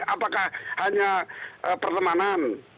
apakah hanya pertemanan